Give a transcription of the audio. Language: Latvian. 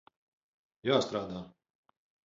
Jāstrādā.